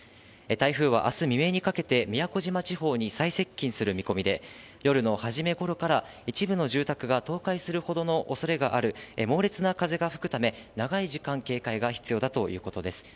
台風はあす未明にかけて宮古島地方に最接近する見込みで、夜の初めごろから一部の住宅が倒壊するほどのおそれがある猛烈な風が吹くため、長い時間警戒が必要だということです。